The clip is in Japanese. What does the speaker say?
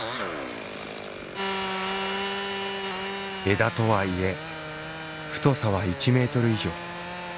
枝とはいえ太さは１メートル以上。